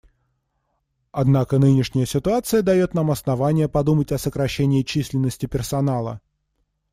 Однако нынешняя ситуация дает нам основания подумать о сокращении численности персонала.